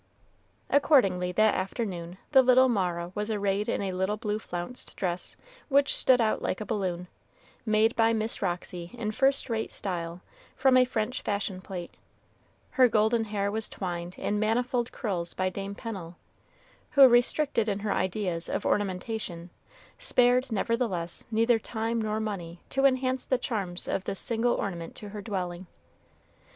Accordingly, that afternoon, the little Mara was arrayed in a little blue flounced dress, which stood out like a balloon, made by Miss Roxy in first rate style, from a French fashion plate; her golden hair was twined in manifold curls by Dame Pennel, who, restricted in her ideas of ornamentation, spared, nevertheless, neither time nor money to enhance the charms of this single ornament to her dwelling.